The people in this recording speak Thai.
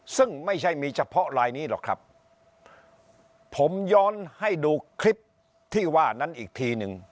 ซึ่งไม่ใช่มีเฉพาะลายนี้หรอกครับผมย้อนให้ดูคลิปที่ว่านั้นอีกทีหนึ่ง